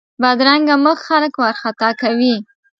بدرنګه مخ خلک وارخطا کوي